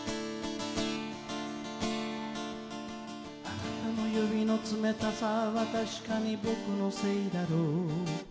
「あなたの指の冷たさは確かに僕のせいだろう」